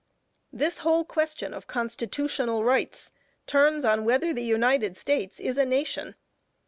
This whole question of constitutional rights, turns on whether the United States is a nation.